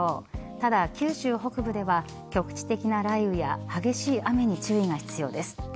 ただ、九州北部では局地的な雷雨や激しい雨に注意が必要です。